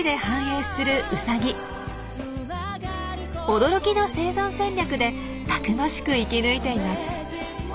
驚きの生存戦略でたくましく生き抜いています。